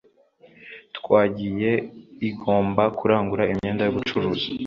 twagiye igoma kurangura imyenda yo gucuruza